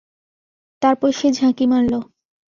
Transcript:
তারপর সে ঝাঁকি মারল।